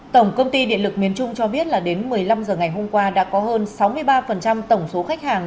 tổng công ty điện lực miền trung cho biết là đến một mươi năm h ngày hôm qua đã có hơn sáu mươi ba tổng số khách hàng